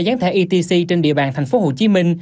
gián thẻ etc trên địa bàn tp hcm